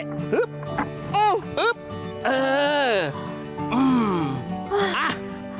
น่าเดิน